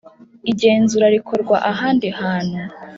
igenzura rikorerwa ahandi hantu